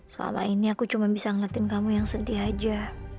selama ini aku cuma bisa ngeliatin kamu yang sedih aja